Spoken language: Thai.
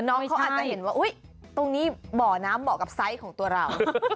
น้องเขาอาจจะเห็นว่าอุ๊ยตรงนี้บ่อน้ำเหมาะกับไซส์ของตัวเรา